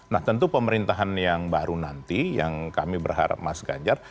nah tentu pemerintahan yang baru nanti yang kami berharap mas ganjar